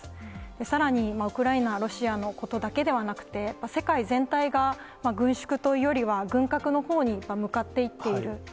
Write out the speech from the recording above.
さらに、ウクライナ、ロシアのことだけではなくて、世界全体が軍縮というよりは軍拡のほうに向かっていっている。